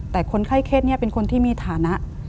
แต่คนไข้เคสนี้เป็นคนที่มีฐานะ